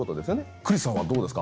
クリスさんはどうですか？